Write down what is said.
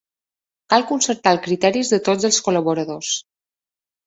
Cal concertar els criteris de tots els col·laboradors.